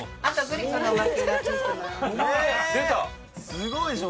すごいでしょ。